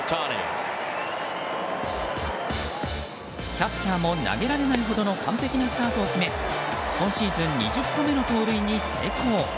キャッチャーも投げられないほどの完璧なスタートを決め今シーズン２０個目の盗塁に成功。